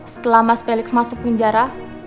setelah mas felix masuk penjara